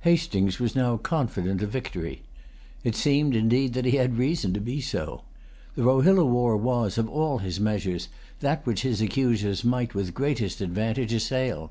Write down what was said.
Hastings was now confident of victory. It seemed, indeed, that he had reason to be so. The Rohilla war was, of all his measures, that which his accusers might with greatest advantage assail.